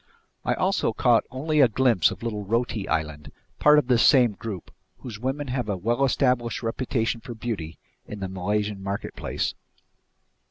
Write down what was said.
I also caught only a glimpse of little Roti Island, part of this same group, whose women have a well established reputation for beauty in the Malaysian marketplace.